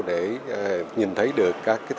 để nhìn thấy được các cái thế mạnh